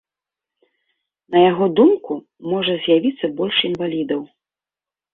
На яго думку, можа з'явіцца больш інвалідаў.